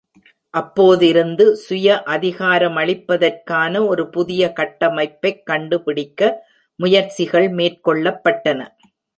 அப்போதிருந்து, சுய-அதிகாரமளிப்பதற்கான ஒரு புதிய கட்டமைப்பைக் கண்டுபிடிக்க முயற்சிகள் மேற்கொள்ளப்பட்டன.